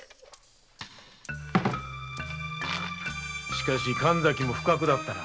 しかし神崎も不覚だったな。